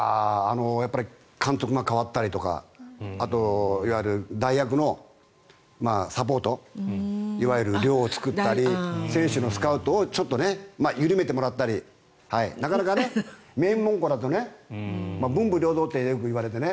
やっぱり監督が代わったりとかあと、いわゆるサポートいわゆる料理を作ったり選手のスカウトを緩めてもらったりなかなか名門校だと文武両道ってよく言われてね。